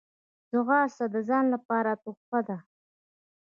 ځغاسته د ځان لپاره تحفه ده